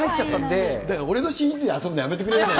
俺のＣＤで遊ぶのやめてくれる？